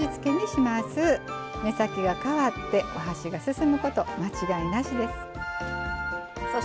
目先が変わってお箸が進むこと間違いなしです。